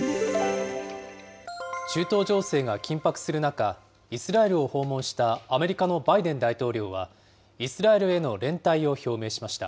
中東情勢が緊迫する中、イスラエルを訪問したアメリカのバイデン大統領は、イスラエルへの連帯を表明しました。